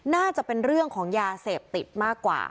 น่าจะเป็นเรื่องของยาเสพติดมากกว่า